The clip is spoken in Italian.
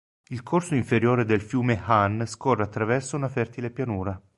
Il corso inferiore del fiume Han scorre attraverso una fertile pianura.